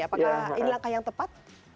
apakah ini langkah yang tepat